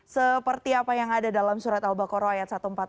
seperti apa yang ada dalam surat al baqarah ayat satu ratus empat puluh lima